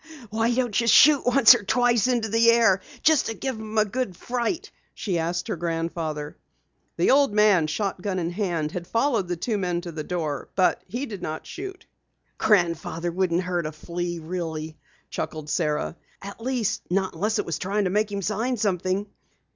"Why don't you shoot once or twice into the air just to give 'em a good fright?" she asked her grandfather. The old man, shotgun in hand, had followed the two men to the door. But he did not shoot. "Grandfather wouldn't hurt a flea really," chuckled Sara. "At least, not unless it was trying to make him sign something."